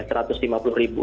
seratus lima puluh ribu